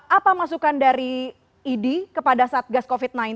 apa masukan dari idi kepada satgas covid sembilan belas